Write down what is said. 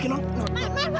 man man man man